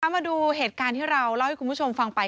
มาดูเหตุการณ์ที่เราเล่าให้คุณผู้ชมฟังไป